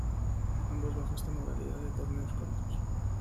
Ambos bajo esta modalidad de torneos cortos.